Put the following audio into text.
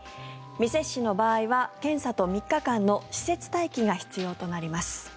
未接種の場合は検査と３日間の施設待機が必要となります。